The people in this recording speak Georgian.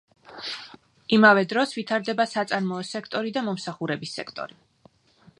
იმავე დროს ვითარდება საწარმოო სექტორი და მომსახურების სექტორი.